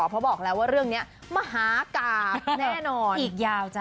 เพราะบอกแล้วว่าเรื่องนี้มหากราบแน่นอนอีกยาวจ้ะ